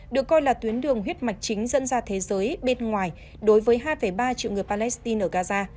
được coi là tuyến đường huyết mạch chính dẫn ra thế giới bên ngoài đối với hai ba triệu người palestine ở gaza